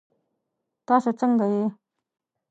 تاسو ځنګه يئ؟